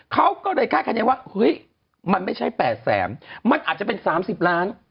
เค้าก็โดยค่าแค่นี้ว่าเฮ้ยมันไม่ใช่๘๐๐๐๐๐มันอาจจะเป็น๓๐ล้าน